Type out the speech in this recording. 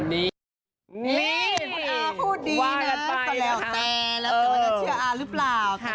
นี่พ่ออ่าพูดดีนะตอนแรกแต่แล้วจะเชื่ออ่าหรือเปล่า